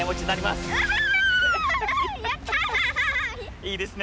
いいですね！